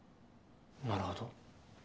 なるほど。